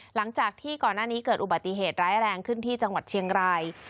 หลังจากที่ก่อนหน้านี้เกิดอุบัติเหตุร้ายแรงขึ้นที่จังหวัดเชียงราย